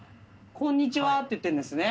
こんにちはって言ってるんですね。